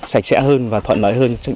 sạch sẽ hơn và thuận lợi hơn